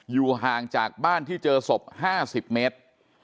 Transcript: อยู่ห่างจากบ้านที่เจอศพ๕๐เมตร